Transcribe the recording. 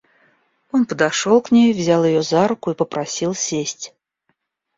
Он подошел к ней, взял ее за руку и попросил сесть.